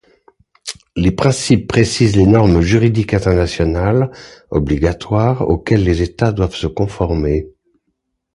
Les principes précisent les normes juridiques internationales obligatoires auxquelles les États doivent se conformer.